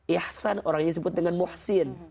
ihsan orangnya disebut dengan muhsin